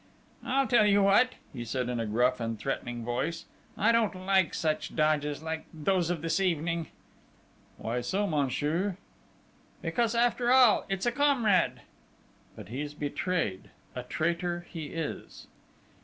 "I tell you what," he said in a gruff and threatening voice: "I don't like such dodges like those of this evening...." "Why so, monsieur?" "Why, because, after all, it's a comrade!" "But he's betrayed a traitor he is!"